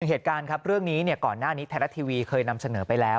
เหตุการณ์ครับเรื่องนี้ก่อนหน้านี้ไทยรัฐทีวีเคยนำเสนอไปแล้ว